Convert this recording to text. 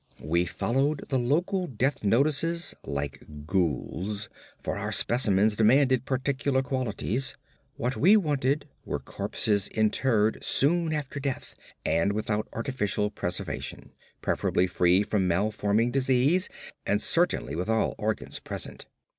We followed the local death notices like ghouls, for our specimens demanded particular qualities. What we wanted were corpses interred soon after death and without artificial preservation; preferably free from malforming disease, and certainly with all organs present.